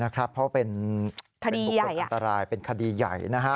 เพราะเป็นบุคคลอันตรายเป็นคดีใหญ่